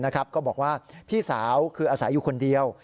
ก็บอกว่าพี่สาวคืออาศัยอยู่คนเดียว